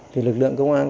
thì lực lượng công an